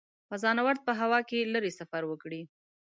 فضانورد په هوا کې لیرې سفر وکړي.